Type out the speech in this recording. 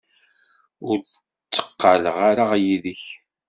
Ur d-tteqqaleɣ ara yid-k.